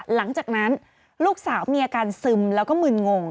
หลังจากนั้นลูกสาวมีอาการซึมแล้วก็มึนงง